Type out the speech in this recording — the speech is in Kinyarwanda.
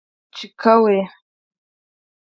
Mathias Chikawe